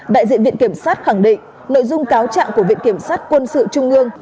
đại diện viện kiểm sát khẳng định nội dung cáo trạng của viện kiểm sát quân sự trung ương